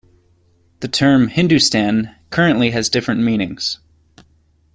The term "Hindustan" currently has different meanings.